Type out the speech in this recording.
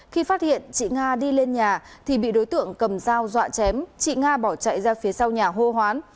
khi phát hiện chị nga đi lên nhà thì bị đối tượng cầm dao dọa chém chị nga bỏ chạy ra phía sau nhà hô hoán